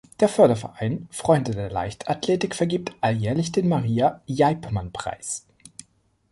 Der Förderverein „Freunde der Leichtathletik“ vergibt alljährlich den "Maria-Jeibmann-Preis".